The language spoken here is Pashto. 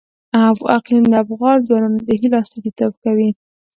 اقلیم د افغان ځوانانو د هیلو استازیتوب کوي.